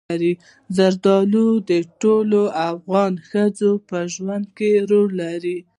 زردالو د ټولو افغان ښځو په ژوند کې رول لري.